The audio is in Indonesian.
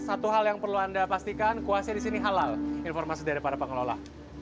satu hal yang perlu anda pastikan kuasnya di sini halal informasi dari para pengelola